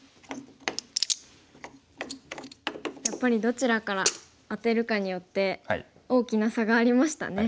やっぱりどちらからアテるかによって大きな差がありましたね。